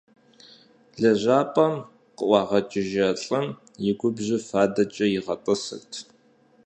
Лэжьапӏэм къыӏуагъэкӏыжа лӀым и губжьыр фадэкӀэ игъэтӀысырт.